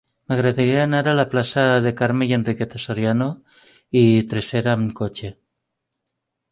M'agradaria anar a la plaça de Carme i Enriqueta Soriano i Tresserra amb cotxe.